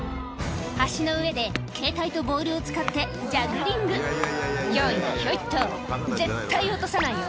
橋の上でケータイとボールを使ってジャグリング「ひょいひょいっと絶対落とさないよ」